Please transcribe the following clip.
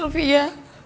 maafin sintia ya